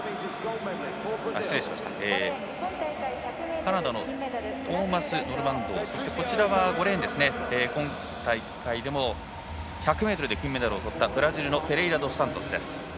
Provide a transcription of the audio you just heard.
カナダのトーマス・ノルマンドー５レーン、今大会でも１００ｍで金メダルをとったブラジルフェレイラドスサントス。